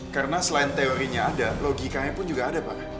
karena selain teorinya ada logikanya pun juga ada pak